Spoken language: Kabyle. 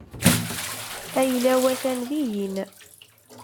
Ayla-w atan dihin.